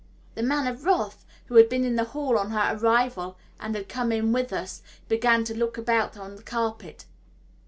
The Man of Wrath, who had been in the hall on her arrival and had come in with us, began to look about on the carpet.